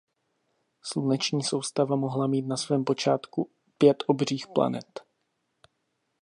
Sluneční soustava mohla mít na svém počátku pět obřích planet.